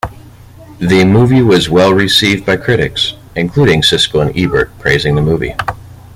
The movie was well received by critics, including Siskel and Ebert praising the movie.